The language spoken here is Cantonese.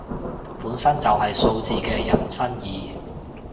本身就係數字嘅引申義